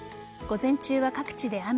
午前中は各地で雨。